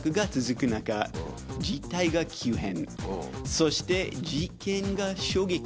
そして。